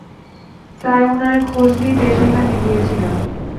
তাই উনার খোঁজ নিতে সেখানে গিয়েছিলাম।